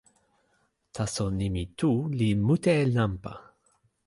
taso nimi "tu" li mute e nanpa.